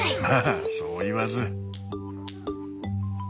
まあそう言わず。